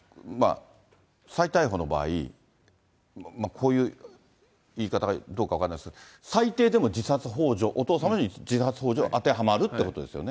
再逮捕の場合、こういう言い方がどうか分かりませんが、最低でも自殺ほう助、お父様に自殺ほう助当てはまるってことですよね。